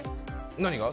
何が？